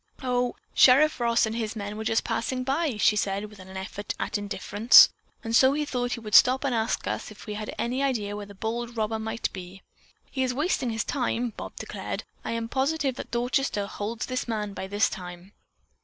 "Oh, Sheriff Ross and his men were just passing by," she said with an effort at indifference, "and so he thought he would stop and ask us if we had any idea where the bold robber might be." "He is wasting his time," Bob declared. "I am positive that Dorchester holds his man by this time."